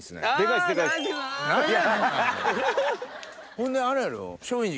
ほんであれやろ松陰寺。